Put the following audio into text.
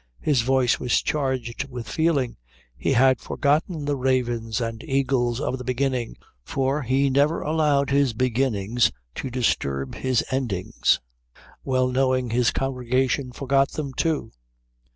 His voice was charged with feeling. He had forgotten the ravens and eagles of the beginning, for he never allowed his beginnings to disturb his endings, well knowing his congregation forgot them, too.